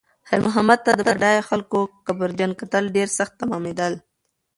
خیر محمد ته د بډایه خلکو کبرجن کتل ډېر سخت تمامېدل.